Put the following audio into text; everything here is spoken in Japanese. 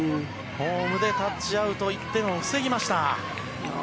ホームでタッチアウト１点を防ぎました。